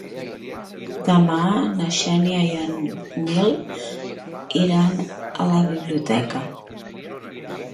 Demà na Xènia i en Nil iran a la biblioteca.